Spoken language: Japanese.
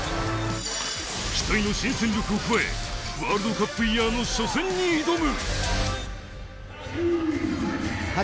期待の新戦力を加え、ワールドカップイヤーの初戦に挑む。